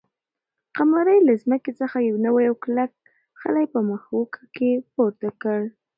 قمرۍ له ځمکې څخه یو نوی او کلک خلی په مښوکه کې پورته کړ.